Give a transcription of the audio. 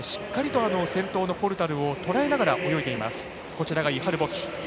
先頭のポルタルをとらえながら泳いでいます。